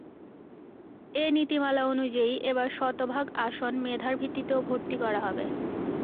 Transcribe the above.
এ নীতিমালা অনুযায়ী, এবার শতভাগ আসন মেধার ভিত্তিতে ভর্তি করা হবে।